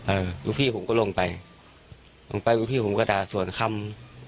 เออลูกพี่ผมก็ลงไปลงไปลูกพี่ผมก็ด่าส่วนค่ำ